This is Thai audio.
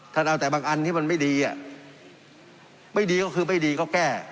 ท่านเอาแต่บางอันที่มันไม่ดีไม่ดีก็คือไม่ดีก็แก้